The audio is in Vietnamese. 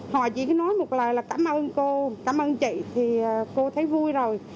họ chỉ cứ nói một lời là cảm ơn cô cảm ơn chị thì cô thấy vui rồi